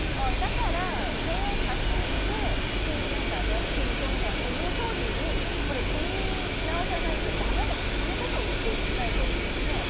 だから、これを刷新してキングメーカーであるキム・ジョンインさんの言うとおりに組み直さないとだめだということを訴えてるんですね。